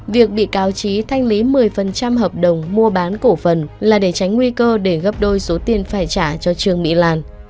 việc bị cáo trí thanh lý một mươi hợp đồng mua bán cổ phần là để tránh nguy cơ để gấp đôi số tiền phải trả cho trường mỹ lan